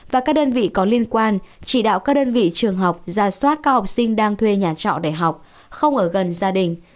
và các đơn vị có liên quan chỉ đạo các đơn vị trường học ra soát các học sinh đang thuê nhà trọ để học không ở gần gia đình